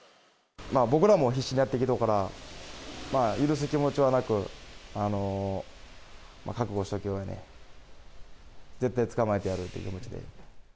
僕らも必死にやってきたから、許す気持ちはなく、覚悟しとけよ、絶対捕まえてやるという気持ちで。